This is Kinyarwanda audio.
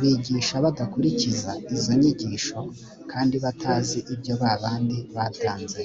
bigisha badakurikiza izo nyigisho kandi batazi ibyo ba bandi batanze